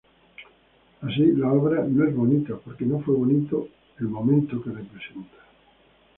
Así, la obra "no es bonita, porque no fue bonito el momento que representa".